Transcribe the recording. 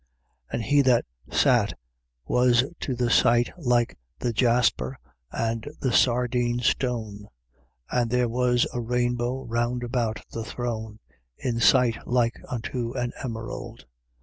4:3. And he that sat was to the sight like the jasper and the sardine stone. And there was a rainbow round about the throne, in sight like unto an emerald.